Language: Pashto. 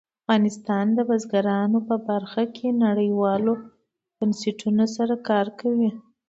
افغانستان د بزګان په برخه کې نړیوالو بنسټونو سره کار کوي.